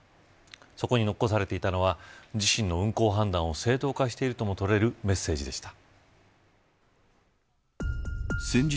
そこに残されていたのは自身の運航判断を正当化しているとも取れるメッセージでした。